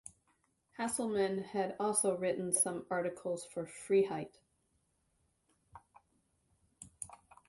Hasselmann had also written some articles for Freiheit.